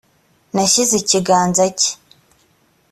nashyize ikiganza cye